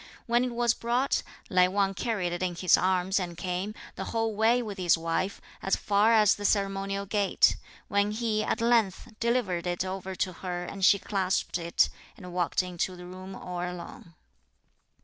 (When it was brought,) Lai Wang carried it in his arms and came, the whole way with his wife, as far as the ceremonial gate; when he, at length, delivered it over to her and she clasped it, and walked into the room all alone.